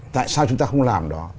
tại sao chúng ta không làm đó